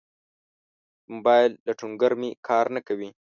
د موبایل لټونګر می کار نه کوي